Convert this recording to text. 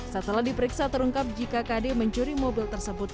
setelah diperiksa terungkap jika kd mencuri mobil tersebut